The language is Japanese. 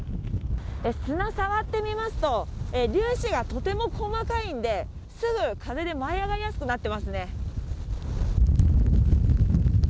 砂、触ってみますと、粒子がとても細かいんで、すぐ風で舞い上がりやすくなってますね。